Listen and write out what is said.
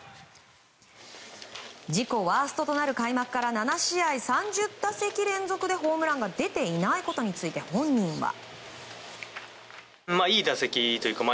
自己ワーストとなる開幕から７試合３０打席連続でホームランが出ていないことについて本人は。